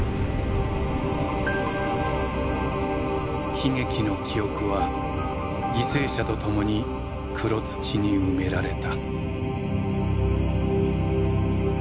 悲劇の記憶は犠牲者と共に黒土に埋められた。